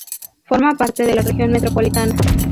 Forma parte de la Región Metropolitana.